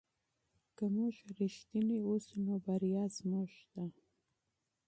که موږ رښتیني اوسو نو بریا زموږ ده.